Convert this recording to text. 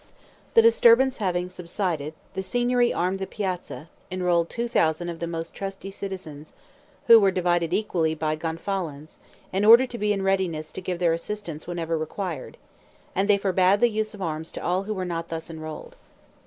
The disturbance having subsided, the Signory armed the piazza, enrolled 2,000 of the most trusty citizens, who were divided equally by Gonfalons, and ordered to be in readiness to give their assistance whenever required; and they forbade the use of arms to all who were not thus enrolled.